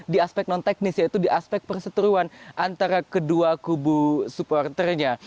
di aspek non teknis yaitu di aspek perseteruan antara kedua kubu supporternya